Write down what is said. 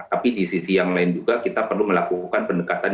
tapi di sisi yang lain juga kita perlu melakukan pendekatan